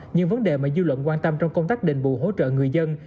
những vấn đề mà dư luận quan tâm trong công tác đền bù hỗ trợ người dân